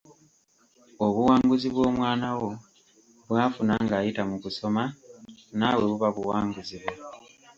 Obuwanguzi bw'omwana wo, bw'afuna ngayita mu kusoma, naawe buba buwanguzi bwo.